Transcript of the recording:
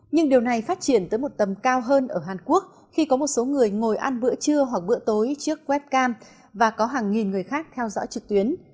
nhưng điều này phát triển tới một tầm cao hơn ở hàn quốc khi có một số người ngồi ăn bữa trưa hoặc bữa tối trước web cam và có hàng nghìn người khác theo dõi trực tuyến